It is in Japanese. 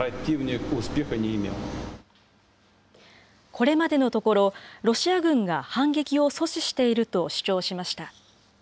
これまでのところ、ロシア軍が反撃を阻止していると主張しました。